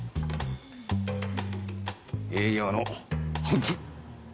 営業の本気！